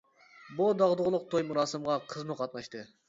بۇ داغدۇغىلىق توي مۇراسىمىغا قىزمۇ قاتناشتى.